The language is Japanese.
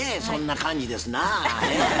そんな感じですなぁ。